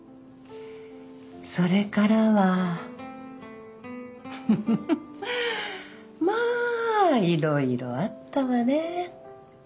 それからはフフフまあいろいろあったわね。